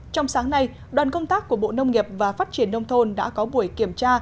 trong sáng nay đoàn công tác của bộ nông nghiệp và phát triển nông thôn đã có buổi kiểm tra